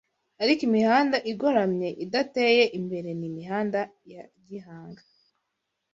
ariko imihanda igoramye idateye imbere ni imihanda ya gihanga